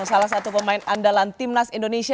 salah satu pemain andalan timnas indonesia